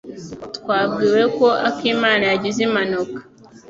Twabwiwe ko akimana yagize impanuka.